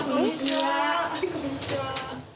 はいこんにちは